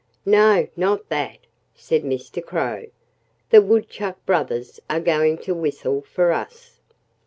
"No not that!" said Mr. Crow. "The Woodchuck brothers are going to whistle for us."